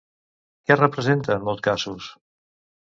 Què representa en molts casos?